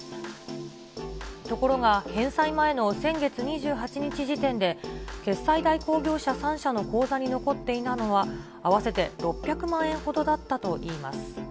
ところが、返済前の先月２８日時点で、決済代行業者３社の口座に残っていたのは合わせて６００万円ほどだったといいます。